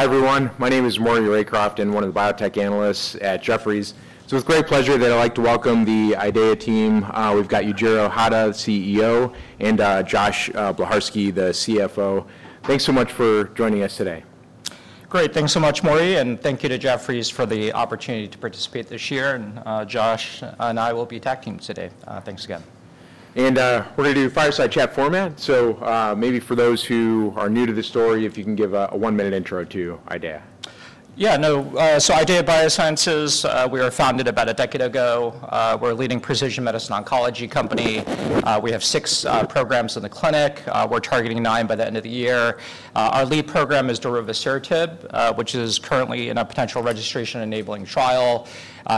Hi everyone, my name is Maury Lacroft, and one of the biotech analysts at Jefferies. It's with great pleasure that I'd like to welcome the IDEAYA team. We've got Yujiro Hata, the CEO, and Josh Bleharski, the CFO. Thanks so much for joining us today. Great, thanks so much, Maury, and thank you to Jefferies for the opportunity to participate this year. Josh and I will be tag teaming today. Thanks again. We're going to do a fireside chat format, so maybe for those who are new to the story, if you can give a one-minute intro to IDEAYA. Yeah, no, so IDEAYA Biosciences, we were founded about a decade ago. We're a leading precision medicine oncology company. We have six programs in the clinic. We're targeting nine by the end of the year. Our lead program is Darovasertib, which is currently in a potential registration-enabling trial.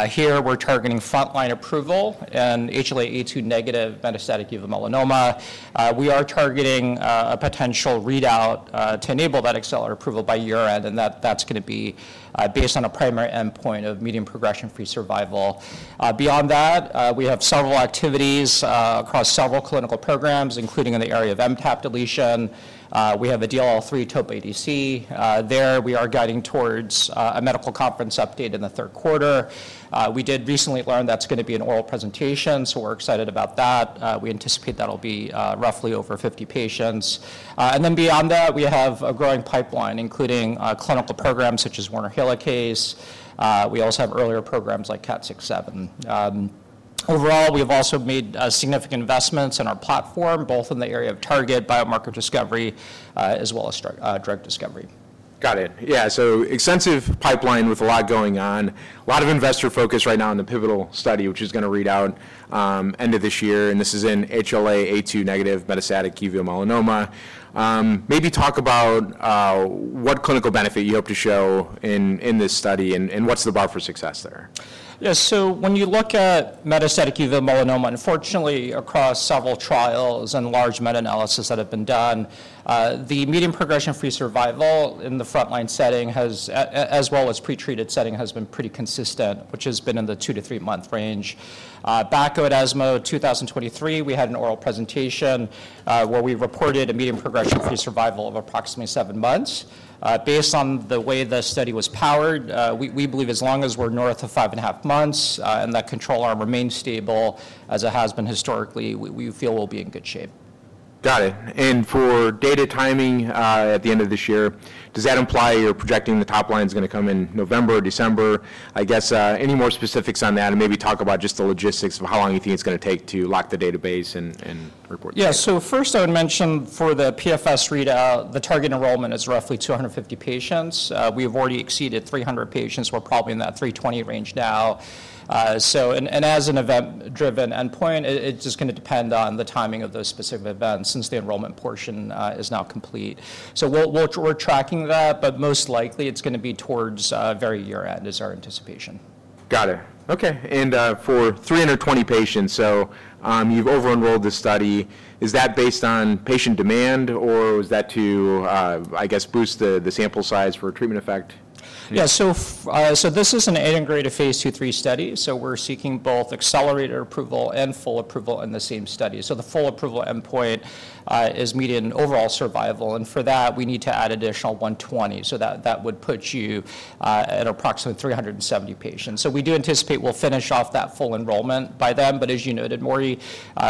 Here we're targeting frontline approval in HLA-A2 negative metastatic uveal melanoma. We are targeting a potential readout to enable that accelerated approval by year-end, and that's going to be based on a primary endpoint of median progression-free survival. Beyond that, we have several activities across several clinical programs, including in the area of MTAP deletion. We have a DLL3 topo ADC. There we are guiding towards a medical conference update in the third quarter. We did recently learn that's going to be an oral presentation, so we're excited about that. We anticipate that'll be roughly over 50 patients. We have a growing pipeline, including clinical programs such as Werner Helicase. We also have earlier programs like Cat67. Overall, we have also made significant investments in our platform, both in the area of target biomarker discovery as well as drug discovery. Got it. Yeah, so extensive pipeline with a lot going on, a lot of investor focus right now on the pivotal study, which is going to read out end of this year, and this is in HLA-A2 negative metastatic uveal melanoma. Maybe talk about what clinical benefit you hope to show in this study, and what's the bar for success there? Yeah, so when you look at metastatic uveal melanoma, unfortunately across several trials and large meta-analyses that have been done, the median progression-free survival in the frontline setting, as well as pretreated setting, has been pretty consistent, which has been in the two- to three-month range. Back at ESMO 2023, we had an oral presentation where we reported a median progression-free survival of approximately seven months. Based on the way the study was powered, we believe as long as we're north of five and a half months and that control arm remains stable, as it has been historically, we feel we'll be in good shape. Got it. For data timing at the end of this year, does that imply you're projecting the top line is going to come in November or December? I guess any more specifics on that, and maybe talk about just the logistics of how long you think it's going to take to lock the database and report. Yeah, so first I would mention for the PFS readout, the target enrollment is roughly 250 patients. We have already exceeded 300 patients. We're probably in that 320 range now. As an event-driven endpoint, it's just going to depend on the timing of those specific events since the enrollment portion is now complete. We're tracking that, but most likely it's going to be towards very year-end is our anticipation. Got it. Okay, and for 320 patients, so you've over-enrolled this study. Is that based on patient demand, or is that to, I guess, boost the sample size for treatment effect? Yeah, so this is an integrated phase two-three study, so we're seeking both accelerator approval and full approval in the same study. The full approval endpoint is median overall survival, and for that we need to add an additional 120, so that would put you at approximately 370 patients. We do anticipate we'll finish off that full enrollment by then, but as you noted, Maury,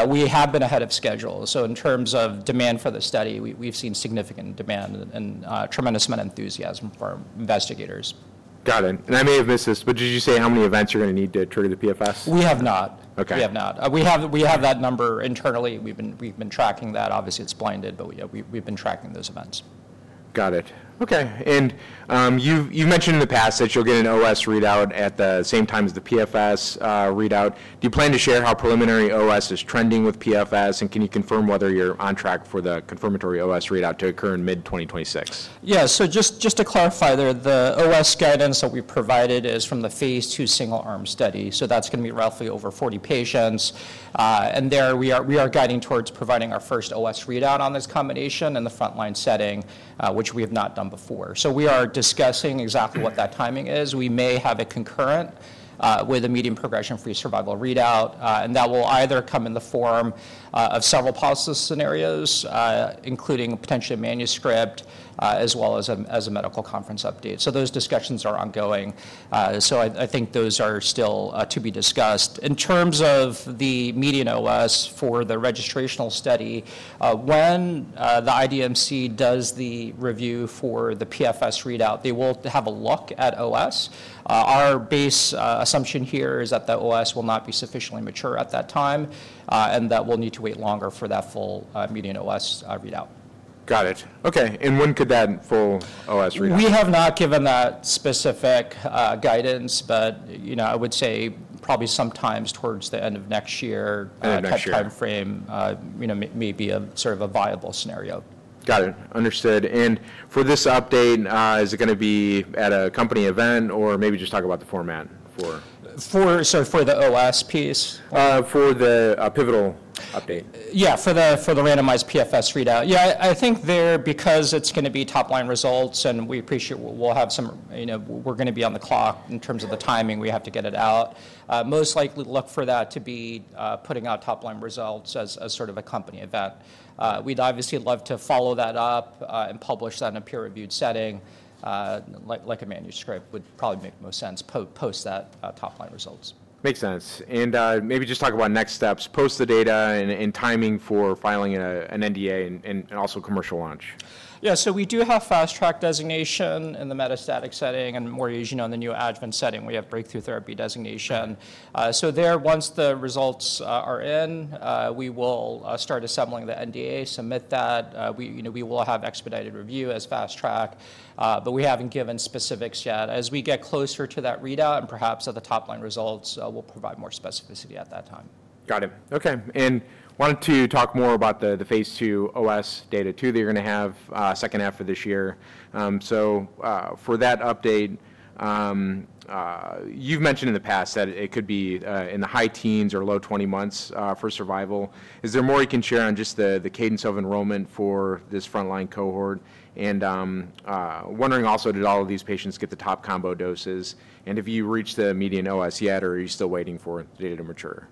we have been ahead of schedule. In terms of demand for the study, we've seen significant demand and a tremendous amount of enthusiasm from investigators. Got it. I may have missed this, but did you say how many events you're going to need to trigger the PFS? We have not. We have not. We have that number internally. We've been tracking that. Obviously, it's blinded, but we've been tracking those events. Got it. Okay, and you've mentioned in the past that you'll get an OS readout at the same time as the PFS readout. Do you plan to share how preliminary OS is trending with PFS, and can you confirm whether you're on track for the confirmatory OS readout to occur in mid-2026? Yeah, so just to clarify there, the OS guidance that we provided is from the phase two single-arm study, so that's going to be roughly over 40 patients. There we are guiding towards providing our first OS readout on this combination in the frontline setting, which we have not done before. We are discussing exactly what that timing is. We may have it concurrent with a median progression-free survival readout, and that will either come in the form of several policy scenarios, including potentially a manuscript, as well as a medical conference update. Those discussions are ongoing, so I think those are still to be discussed. In terms of the median OS for the registrational study, when the IDMC does the review for the PFS readout, they will have a look at OS. Our base assumption here is that the OS will not be sufficiently mature at that time, and that we'll need to wait longer for that full median OS readout. Got it. Okay, and when could that full OS readout? We have not given that specific guidance, but I would say probably sometime towards the end of next year. End of next year. That timeframe may be sort of a viable scenario. Got it. Understood. For this update, is it going to be at a company event, or maybe just talk about the format for? For the OS piece? For the pivotal update. Yeah, for the randomized PFS readout. Yeah, I think there because it's going to be top-line results, and we appreciate we'll have some—we're going to be on the clock in terms of the timing we have to get it out. Most likely look for that to be putting out top-line results as sort of a company event. We'd obviously love to follow that up and publish that in a peer-reviewed setting, like a manuscript would probably make the most sense, post that top-line results. Makes sense. Maybe just talk about next steps: post the data and timing for filing an NDA and also commercial launch. Yeah, so we do have fast-track designation in the metastatic setting, and Maury, as you know, in the neoadjuvant setting, we have breakthrough therapy designation. There, once the results are in, we will start assembling the NDA, submit that. We will have expedited review as fast-track, but we have not given specifics yet. As we get closer to that readout and perhaps at the top-line results, we will provide more specificity at that time. Got it. Okay, wanted to talk more about the phase two OS data too that you're going to have second half of this year. For that update, you've mentioned in the past that it could be in the high teens or low 20 months for survival. Is there more you can share on just the cadence of enrollment for this frontline cohort? Wondering also, did all of these patients get the top combo doses? Have you reached the median OS yet, or are you still waiting for the data to mature?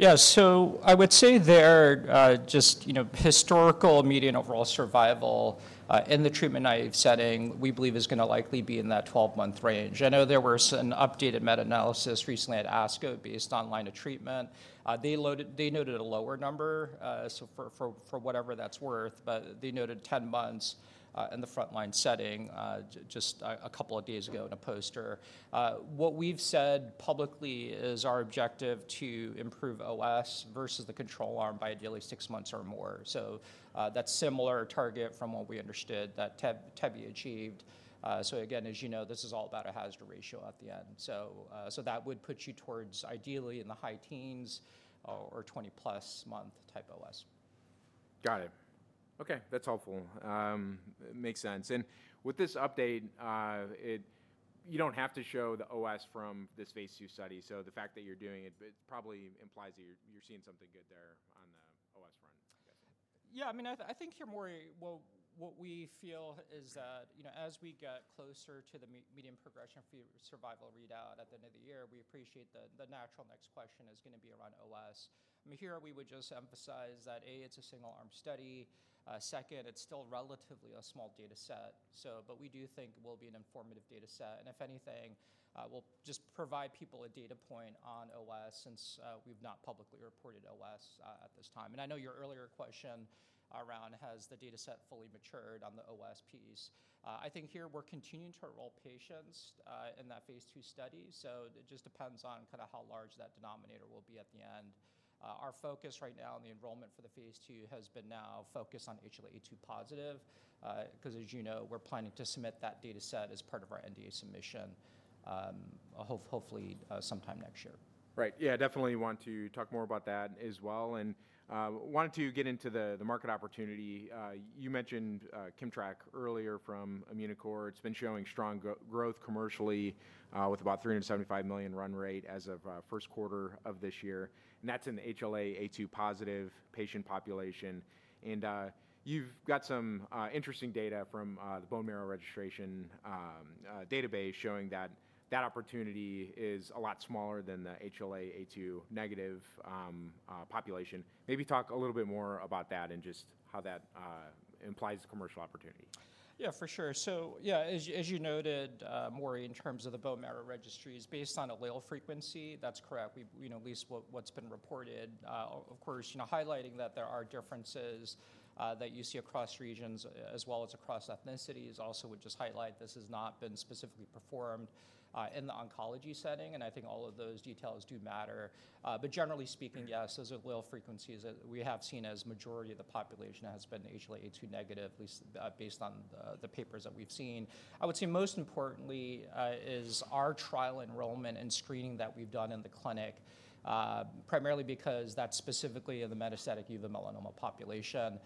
Yeah, so I would say there just historical median overall survival in the treatment naive setting we believe is going to likely be in that 12-month range. I know there was an updated meta-analysis recently at ASCO based on line of treatment. They noted a lower number, so for whatever that's worth, but they noted 10 months in the frontline setting just a couple of days ago in a poster. What we've said publicly is our objective to improve OS versus the control arm by ideally six months or more. That's similar target from what we understood that TEBI achieved. Again, as you know, this is all about a hazard ratio at the end. That would put you towards ideally in the high teens or 20-plus month type OS. Got it. Okay, that's helpful. Makes sense. With this update, you don't have to show the OS from this phase two study, so the fact that you're doing it probably implies that you're seeing something good there on the OS front. Yeah, I mean, I think here, Maury, what we feel is that as we get closer to the median progression-free survival readout at the end of the year, we appreciate the natural next question is going to be around OS. I mean, here we would just emphasize that, A, it's a single-arm study. Second, it's still relatively a small data set, but we do think it will be an informative data set. If anything, we'll just provide people a data point on OS since we've not publicly reported OS at this time. I know your earlier question around has the data set fully matured on the OS piece. I think here we're continuing to enroll patients in that phase two study, so it just depends on kind of how large that denominator will be at the end. Our focus right now on the enrollment for the phase two has been now focused on HLA-A2 positive, because as you know, we're planning to submit that data set as part of our NDA submission hopefully sometime next year. Right, yeah, definitely want to talk more about that as well. I wanted to get into the market opportunity. You mentioned Kimmtrak earlier from Immunocore. It's been showing strong growth commercially with about $375 million run rate as of first quarter of this year, and that's in the HLA-A2 positive patient population. You've got some interesting data from the bone marrow registration database showing that that opportunity is a lot smaller than the HLA-A2 negative population. Maybe talk a little bit more about that and just how that implies commercial opportunity. Yeah, for sure. So yeah, as you noted, Maury, in terms of the bone marrow registry, it's based on allele frequency. That's correct. At least what's been reported, of course, highlighting that there are differences that you see across regions as well as across ethnicities. Also, we just highlight this has not been specifically performed in the oncology setting, and I think all of those details do matter. Generally speaking, yes, those allele frequencies that we have seen as majority of the population has been HLA-A2 negative, at least based on the papers that we've seen. I would say most importantly is our trial enrollment and screening that we've done in the clinic, primarily because that's specifically in the metastatic uveal melanoma population.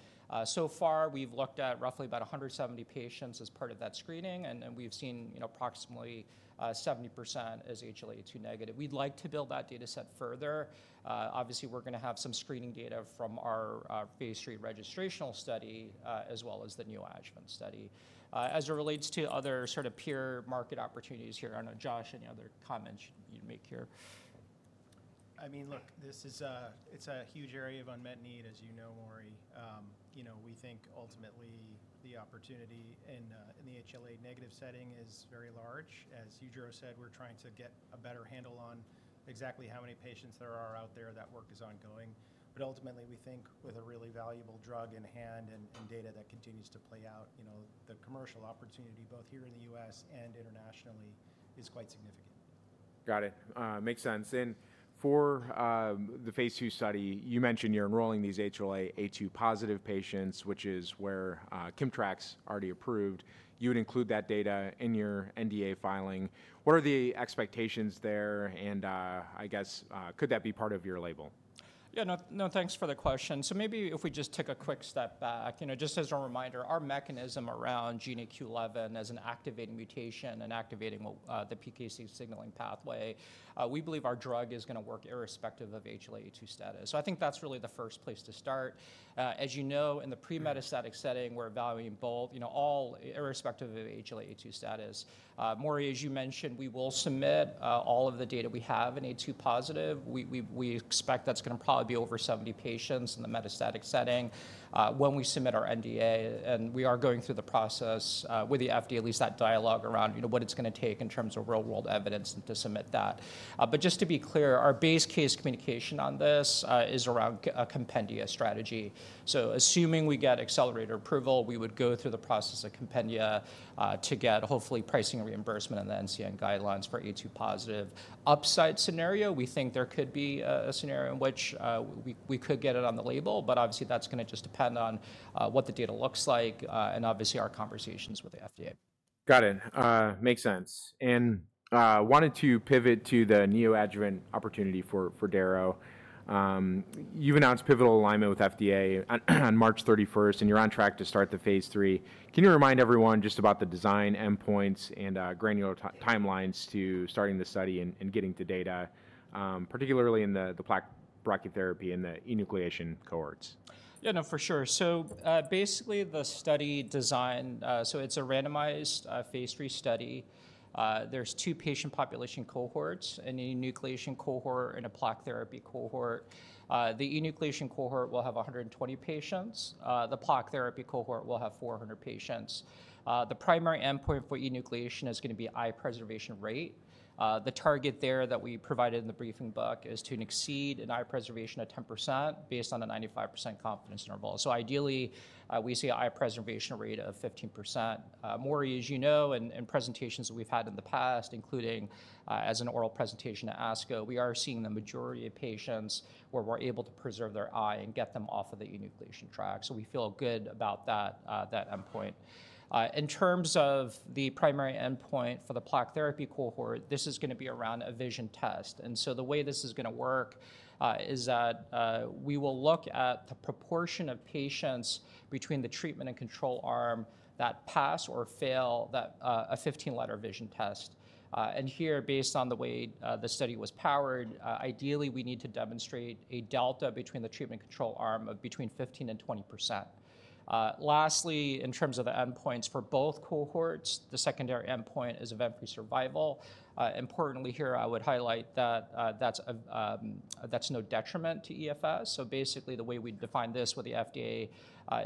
So far, we've looked at roughly about 170 patients as part of that screening, and we've seen approximately 70% as HLA-A2 negative. We'd like to build that data set further. Obviously, we're going to have some screening data from our phase three registrational study as well as the neoadjuvant study. As it relates to other sort of peer market opportunities here, I don't know, Josh, any other comments you'd make here? I mean, look, it's a huge area of unmet need, as you know, Maury. We think ultimately the opportunity in the HLA-A2 negative setting is very large. As you said, we're trying to get a better handle on exactly how many patients there are out there. That work is ongoing. Ultimately, we think with a really valuable drug in hand and data that continues to play out, the commercial opportunity both here in the U.S. and internationally is quite significant. Got it. Makes sense. For the phase two study, you mentioned you're enrolling these HLA-A2 positive patients, which is where Kimmtrak's already approved. You would include that data in your NDA filing. What are the expectations there, and I guess could that be part of your label? Yeah, no, thanks for the question. Maybe if we just take a quick step back, just as a reminder, our mechanism around GNAQ/GNA11 as an activating mutation and activating the PKC signaling pathway, we believe our drug is going to work irrespective of HLA-A2 status. I think that's really the first place to start. As you know, in the pre-metastatic setting, we're evaluating both, all irrespective of HLA-A2 status. Maury, as you mentioned, we will submit all of the data we have in A2 positive. We expect that's going to probably be over 70 patients in the metastatic setting when we submit our NDA, and we are going through the process with the FDA, at least that dialogue around what it's going to take in terms of real-world evidence to submit that. Just to be clear, our base case communication on this is around a compendia strategy. Assuming we get accelerated approval, we would go through the process of compendia to get hopefully pricing reimbursement and the NCCN guidelines for A2 positive. Upside scenario, we think there could be a scenario in which we could get it on the label, but obviously that's going to just depend on what the data looks like and obviously our conversations with the FDA. Got it. Makes sense. I wanted to pivot to the neoadjuvant opportunity for Darovasertib. You've announced pivotal alignment with FDA on March 31, and you're on track to start the phase three. Can you remind everyone just about the design endpoints and granular timelines to starting the study and getting the data, particularly in the plaque blocking therapy and the enucleation cohorts? Yeah, no, for sure. So basically the study design, so it's a randomized phase three study. There's two patient population cohorts: an enucleation cohort and a plaque therapy cohort. The enucleation cohort will have 120 patients. The plaque therapy cohort will have 400 patients. The primary endpoint for enucleation is going to be eye preservation rate. The target there that we provided in the briefing book is to exceed an eye preservation of 10% based on a 95% confidence interval. So ideally, we see an eye preservation rate of 15%. Maury, as you know, in presentations that we've had in the past, including as an oral presentation at ASCO, we are seeing the majority of patients where we're able to preserve their eye and get them off of the enucleation track. So we feel good about that endpoint. In terms of the primary endpoint for the plaque therapy cohort, this is going to be around a vision test. The way this is going to work is that we will look at the proportion of patients between the treatment and control arm that pass or fail a 15-letter vision test. Here, based on the way the study was powered, ideally we need to demonstrate a delta between the treatment and control arm of between 15% and 20%. Lastly, in terms of the endpoints for both cohorts, the secondary endpoint is event-free survival. Importantly here, I would highlight that that's no detriment to EFS. Basically, the way we define this with the FDA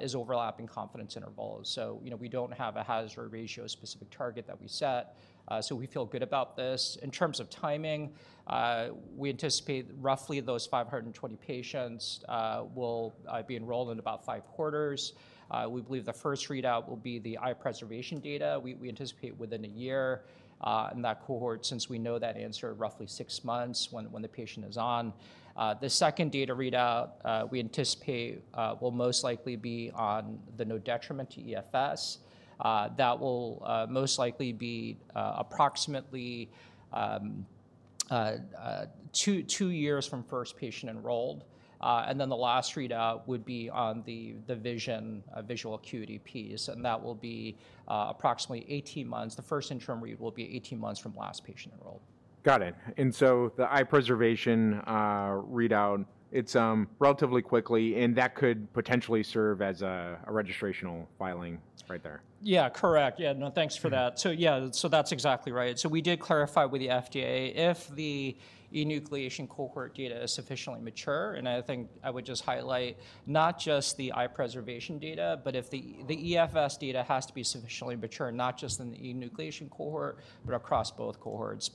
is overlapping confidence intervals. We do not have a hazard ratio specific target that we set, so we feel good about this. In terms of timing, we anticipate roughly those 520 patients will be enrolled in about five quarters. We believe the first readout will be the eye preservation data. We anticipate within a year in that cohort, since we know that answer roughly six months when the patient is on. The second data readout we anticipate will most likely be on the no detriment to EFS. That will most likely be approximately two years from first patient enrolled. The last readout would be on the vision visual acuity piece, and that will be approximately 18 months. The first interim read will be 18 months from last patient enrolled. Got it. The eye preservation readout, it is relatively quickly, and that could potentially serve as a registrational filing right there. Yeah, correct. Yeah, no, thanks for that. Yeah, that's exactly right. We did clarify with the FDA if the enucleation cohort data is sufficiently mature, and I think I would just highlight not just the eye preservation data, but if the EFS data has to be sufficiently mature, not just in the enucleation cohort, but across both cohorts.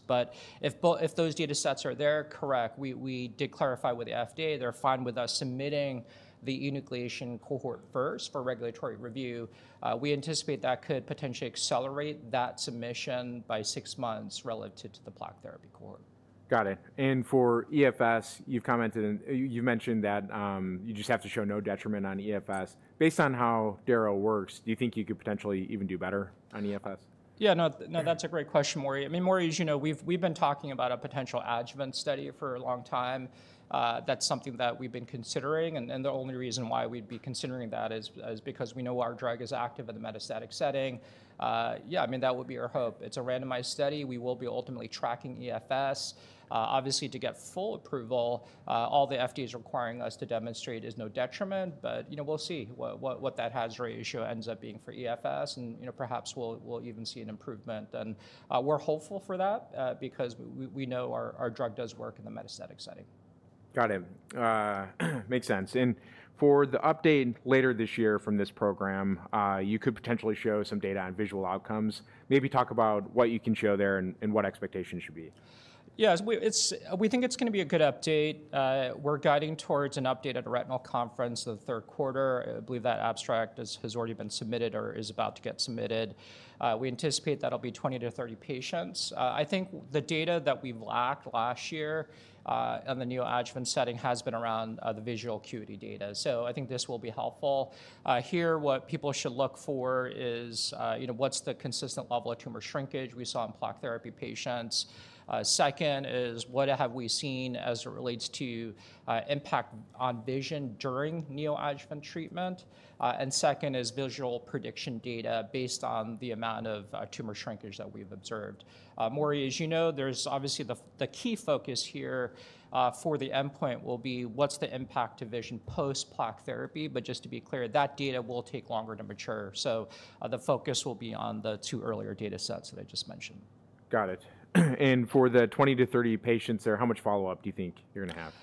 If those data sets are there, correct, we did clarify with the FDA they're fine with us submitting the enucleation cohort first for regulatory review. We anticipate that could potentially accelerate that submission by six months relative to the plaque therapy cohort. Got it. For EFS, you've commented and you've mentioned that you just have to show no detriment on EFS. Based on how Darovasertib works, do you think you could potentially even do better on EFS? Yeah, no, that's a great question, Maury. I mean, Maury, as you know, we've been talking about a potential adjuvant study for a long time. That's something that we've been considering, and the only reason why we'd be considering that is because we know our drug is active in the metastatic setting. Yeah, I mean, that would be our hope. It's a randomized study. We will be ultimately tracking EFS. Obviously, to get full approval, all the FDA is requiring us to demonstrate is no detriment, but we'll see what that hazard ratio ends up being for EFS, and perhaps we'll even see an improvement. We're hopeful for that because we know our drug does work in the metastatic setting. Got it. Makes sense. For the update later this year from this program, you could potentially show some data on visual outcomes. Maybe talk about what you can show there and what expectations should be. Yeah, we think it's going to be a good update. We're guiding towards an update at a retinal conference the third quarter. I believe that abstract has already been submitted or is about to get submitted. We anticipate that'll be 20-30 patients. I think the data that we've lacked last year on the neoadjuvant setting has been around the visual acuity data. I think this will be helpful. Here, what people should look for is what's the consistent level of tumor shrinkage we saw in plaque therapy patients. Second is what have we seen as it relates to impact on vision during neoadjuvant treatment. Second is visual prediction data based on the amount of tumor shrinkage that we've observed. Maury, as you know, there's obviously the key focus here for the endpoint will be what's the impact to vision post plaque therapy, but just to be clear, that data will take longer to mature. The focus will be on the two earlier data sets that I just mentioned. Got it. For the 20-30 patients there, how much follow-up do you think you're going to have?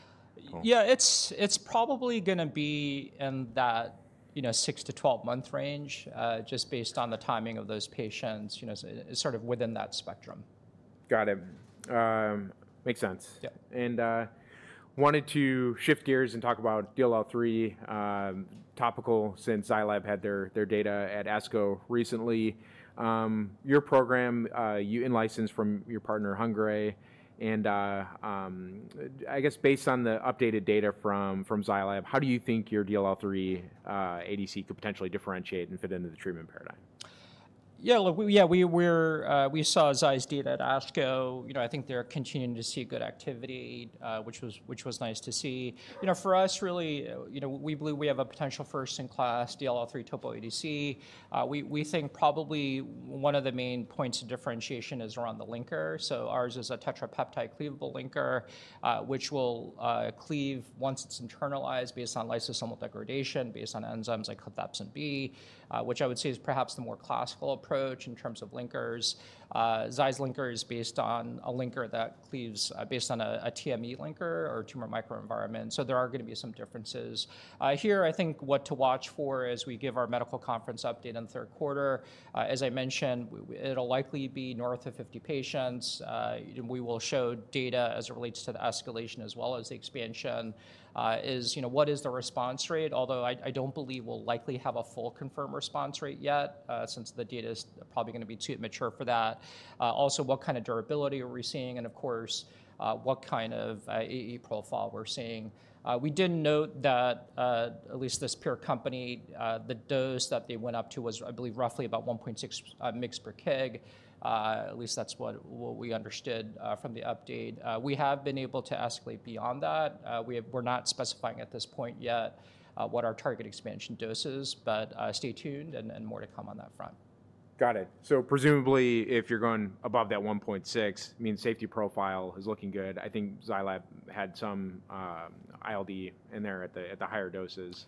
Yeah, it's probably going to be in that 6-12 month range just based on the timing of those patients, sort of within that spectrum. Got it. Makes sense. I wanted to shift gears and talk about DLL3 topical since XiliG had their data at ASCO recently. Your program, you licensed from your partner, Hengrui, and I guess based on the updated data from XiliG, how do you think your DLL3 ADC could potentially differentiate and fit into the treatment paradigm? Yeah, look, yeah, we saw Xi's data at ASCO. I think they're continuing to see good activity, which was nice to see. For us, really, we believe we have a potential first-in-class DLL3 topo ADC. We think probably one of the main points of differentiation is around the linker. So ours is a tetrapeptide cleavable linker, which will cleave once it's internalized based on lysosomal degradation based on enzymes like cathepsin B, which I would say is perhaps the more classical approach in terms of linkers. Xi's linker is based on a linker that cleaves based on a TME linker or tumor microenvironment. There are going to be some differences. Here, I think what to watch for as we give our medical conference update in the third quarter, as I mentioned, it'll likely be north of 50 patients. We will show data as it relates to the escalation as well as the expansion. What is the response rate? Although I don't believe we'll likely have a full confirmed response rate yet since the data is probably going to be too immature for that. Also, what kind of durability are we seeing? Of course, what kind of AE profile we're seeing? We did note that at least this peer company, the dose that they went up to was, I believe, roughly about 1.6 mg per kg. At least that's what we understood from the update. We have been able to escalate beyond that. We're not specifying at this point yet what our target expansion dose is, but stay tuned and more to come on that front. Got it. So presumably if you're going above that 1.6, I mean, safety profile is looking good. I think Gilead had some ILD in there at the higher doses.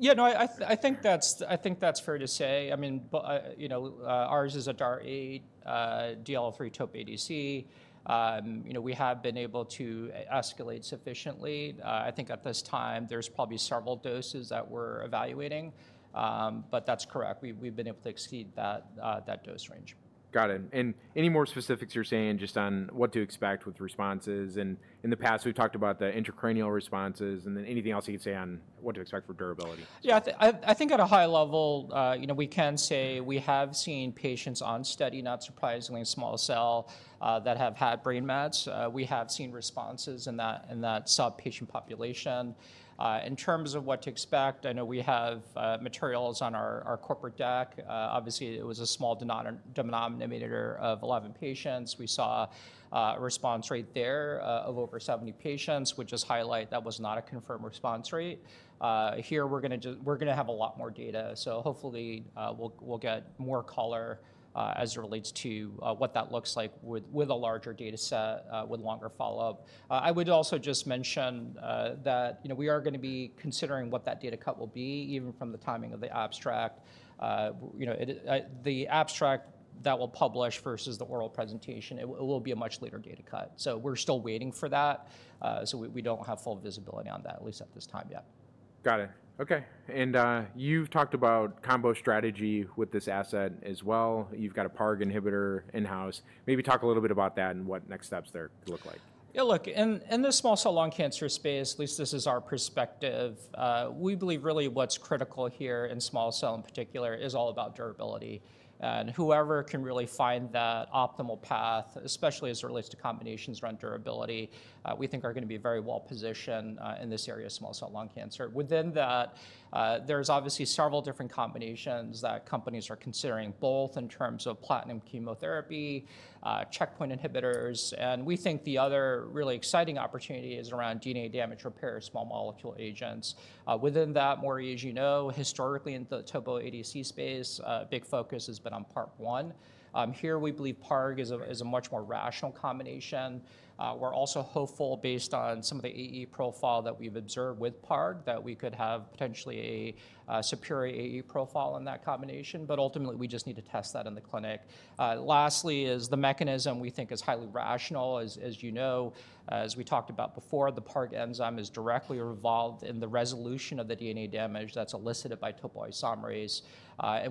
Yeah, no, I think that's fair to say. I mean, ours is a DAR-8 DLL3 topo ADC. We have been able to escalate sufficiently. I think at this time there's probably several doses that we're evaluating, but that's correct. We've been able to exceed that dose range. Got it. Any more specifics you're saying just on what to expect with responses? In the past, we've talked about the intracranial responses. Anything else you could say on what to expect for durability? Yeah, I think at a high level, we can say we have seen patients on study, not surprisingly small cell, that have had brain mets. We have seen responses in that sub-patient population. In terms of what to expect, I know we have materials on our corporate deck. Obviously, it was a small denominator of 11 patients. We saw a response rate there of over 70%, which is highlight that was not a confirmed response rate. Here, we're going to have a lot more data. Hopefully we'll get more color as it relates to what that looks like with a larger data set with longer follow-up. I would also just mention that we are going to be considering what that data cut will be even from the timing of the abstract. The abstract that we'll publish versus the oral presentation, it will be a much later data cut. We're still waiting for that. We don't have full visibility on that, at least at this time yet. Got it. Okay. You have talked about combo strategy with this asset as well. You have a PARG inhibitor in-house. Maybe talk a little bit about that and what next steps there could look like. Yeah, look, in the small cell lung cancer space, at least this is our perspective. We believe really what's critical here in small cell in particular is all about durability. Whoever can really find that optimal path, especially as it relates to combinations around durability, we think are going to be very well positioned in this area of small cell lung cancer. Within that, there's obviously several different combinations that companies are considering both in terms of platinum chemotherapy, checkpoint inhibitors, and we think the other really exciting opportunity is around DNA damage repair small molecule agents. Within that, Maury, as you know, historically in the topo ADC space, big focus has been on PARP-1. Here, we believe PARG is a much more rational combination. We're also hopeful based on some of the AE profile that we've observed with PARG that we could have potentially a superior AE profile in that combination, but ultimately we just need to test that in the clinic. Lastly, the mechanism we think is highly rational. As you know, as we talked about before, the PARG enzyme is directly involved in the resolution of the DNA damage that's elicited by topoisomerase.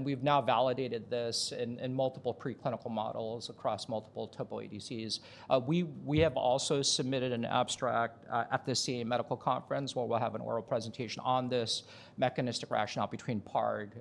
We've now validated this in multiple preclinical models across multiple topo ADCs. We have also submitted an abstract at the CA Medical Conference where we'll have an oral presentation on this mechanistic rationale between PARG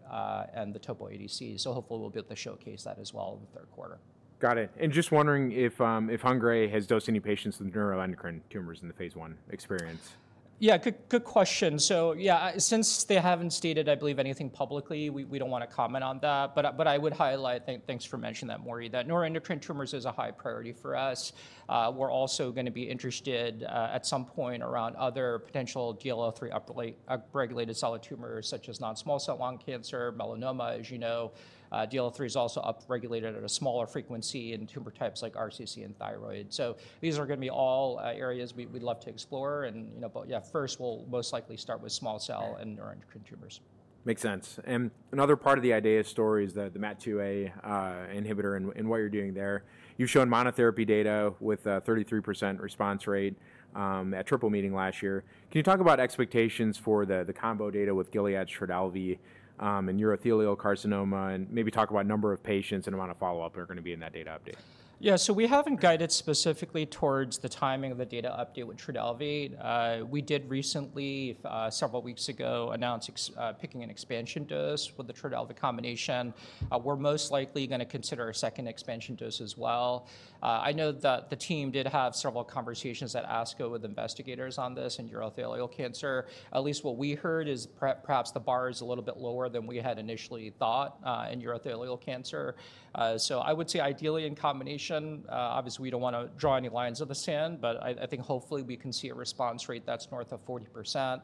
and the topo ADC. Hopefully, we'll be able to showcase that as well in the third quarter. Got it. Just wondering if Hengrui has dosed any patients with neuroendocrine tumors in the phase I experience. Yeah, good question. Yeah, since they have not stated, I believe, anything publicly, we do not want to comment on that. I would highlight, thanks for mentioning that, Maury, that neuroendocrine tumors is a high priority for us. We are also going to be interested at some point around other potential DLL3 upregulated solid tumors such as non-small cell lung cancer, melanoma, as you know. DLL3 is also upregulated at a smaller frequency in tumor types like RCC and thyroid. These are going to be all areas we would love to explore. Yeah, first we will most likely start with small cell and neuroendocrine tumors. Makes sense. Another part of the IDEAYA story is the MAT2A inhibitor and what you're doing there. You've shown monotherapy data with a 33% response rate at Triple Meeting last year. Can you talk about expectations for the combo data with Gilead Trodelvy and urothelial carcinoma and maybe talk about number of patients and amount of follow-up that are going to be in that data update? Yeah, so we haven't guided specifically towards the timing of the data update with Trodelvy. We did recently, several weeks ago, announce picking an expansion dose with the Trodelvy combination. We're most likely going to consider a second expansion dose as well. I know that the team did have several conversations at ASCO with investigators on this in urothelial cancer. At least what we heard is perhaps the bar is a little bit lower than we had initially thought in urothelial cancer. I would say ideally in combination, obviously we don't want to draw any lines in the sand, but I think hopefully we can see a response rate that's north of 40%.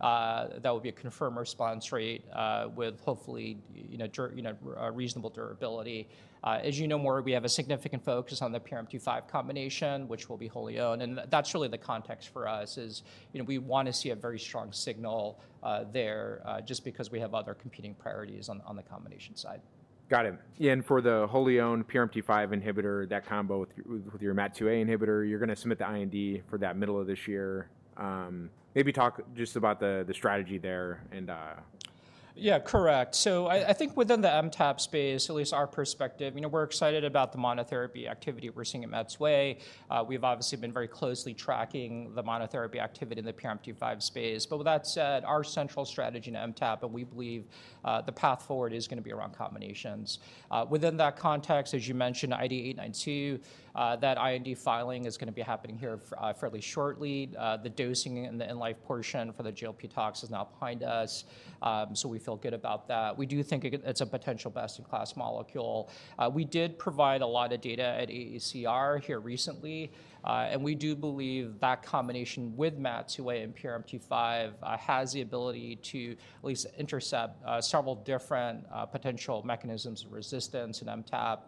That would be a confirmed response rate with hopefully reasonable durability. As you know, Maury, we have a significant focus on the PRMT5 combination, which will be wholly owned. That is really the context for us is we want to see a very strong signal there just because we have other competing priorities on the combination side. Got it. For the wholly owned PRMT5 inhibitor, that combo with your MAT2A inhibitor, you're going to submit the IND for that middle of this year. Maybe talk just about the strategy there. Yeah, correct. I think within the MTAP space, at least our perspective, we're excited about the monotherapy activity we're seeing at Metsway. We've obviously been very closely tracking the monotherapy activity in the PRMT5 space. With that said, our central strategy in MTAP, and we believe the path forward is going to be around combinations. Within that context, as you mentioned, ID892, that IND filing is going to be happening here fairly shortly. The dosing and the in-life portion for the GLP-tox is now behind us. We feel good about that. We do think it's a potential best-in-class molecule. We did provide a lot of data at AACR here recently. We do believe that combination with MAT2A and PRMT5 has the ability to at least intercept several different potential mechanisms of resistance in MTAP.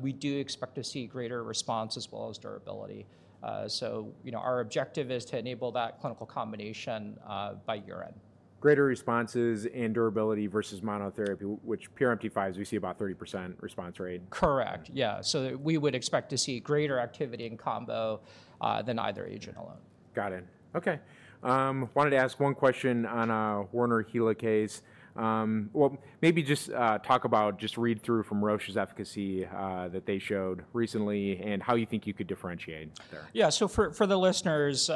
We do expect to see greater response as well as durability. Our objective is to enable that clinical combination by year-end. Greater responses and durability versus monotherapy, with PRMT5, we see about 30% response rate. Correct. Yeah. We would expect to see greater activity in combo than either agent alone. Got it. Okay. Wanted to ask one question on a Werner Helicase. Maybe just talk about, just read through from Roche's efficacy that they showed recently and how you think you could differentiate there. Yeah. For the listeners,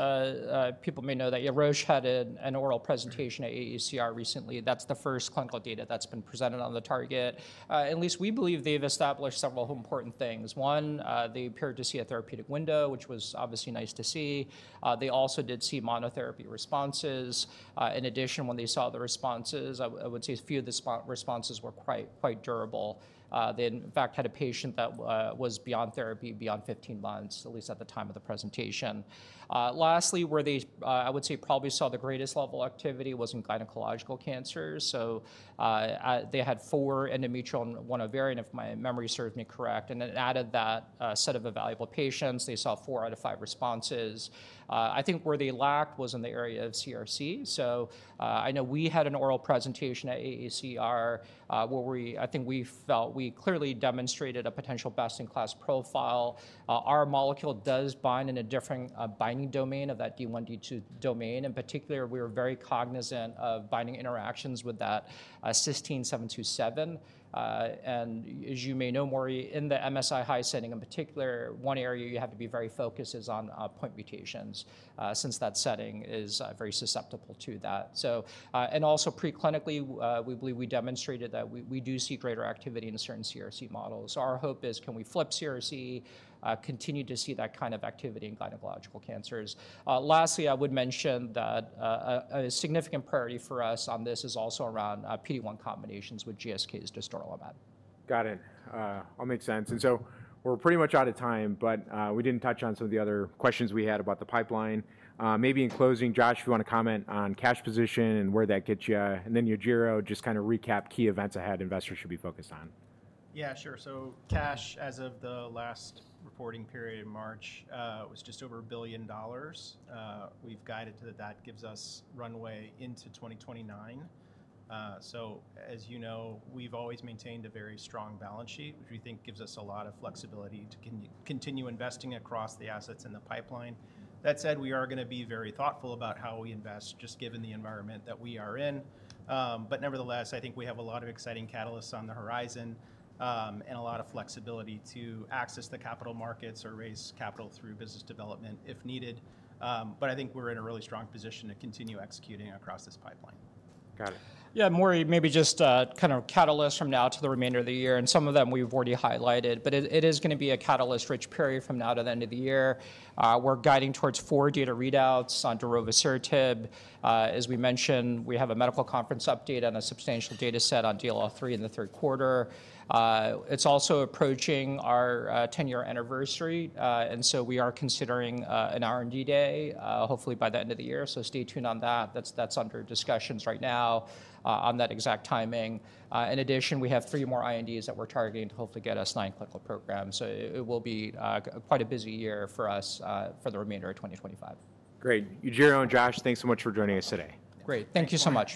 people may know that Roche had an oral presentation at AACR recently. That's the first clinical data that's been presented on the target. At least we believe they've established several important things. One, they appeared to see a therapeutic window, which was obviously nice to see. They also did see monotherapy responses. In addition, when they saw the responses, I would say a few of the responses were quite durable. They in fact had a patient that was beyond therapy beyond 15 months, at least at the time of the presentation. Lastly, where they, I would say probably saw the greatest level of activity was in gynecological cancers. They had four endometrial and one ovarian, if my memory serves me correct. Then, out of that set of evaluable patients, they saw four out of five responses. I think where they lacked was in the area of CRC. I know we had an oral presentation at AACR where I think we felt we clearly demonstrated a potential best-in-class profile. Our molecule does bind in a different binding domain of that D1D2 domain. In particular, we were very cognizant of binding interactions with that cysteine 727. As you may know, Maury, in the MSI high setting in particular, one area you have to be very focused is on point mutations since that setting is very susceptible to that. Also, preclinically, we believe we demonstrated that we do see greater activity in certain CRC models. Our hope is can we flip CRC, continue to see that kind of activity in gynecological cancers. Lastly, I would mention that a significant priority for us on this is also around PD-1 combinations with GSK to startle a mat. Got it. All makes sense. We're pretty much out of time, but we didn't touch on some of the other questions we had about the pipeline. Maybe in closing, Josh, if you want to comment on cash position and where that gets you. Yujiro, just kind of recap key events ahead investors should be focused on. Yeah, sure. Cash as of the last reporting period in March was just over $1 billion. We've guided to that that gives us runway into 2029. As you know, we've always maintained a very strong balance sheet, which we think gives us a lot of flexibility to continue investing across the assets in the pipeline. That said, we are going to be very thoughtful about how we invest just given the environment that we are in. Nevertheless, I think we have a lot of exciting catalysts on the horizon and a lot of flexibility to access the capital markets or raise capital through business development if needed. I think we're in a really strong position to continue executing across this pipeline. Got it. Yeah, Maury, maybe just kind of catalysts from now to the remainder of the year. Some of them we've already highlighted, but it is going to be a catalyst-rich period from now to the end of the year. We're guiding towards four data readouts on Darovasertib. As we mentioned, we have a medical conference update on a substantial data set on DLL3 in the third quarter. It's also approaching our 10-year anniversary. We are considering an R&D day hopefully by the end of the year. Stay tuned on that. That's under discussions right now on that exact timing. In addition, we have three more INDs that we're targeting to hopefully get us nine clinical programs. It will be quite a busy year for us for the remainder of 2025. Great. Yujiro and Josh, thanks so much for joining us today. Great. Thank you so much.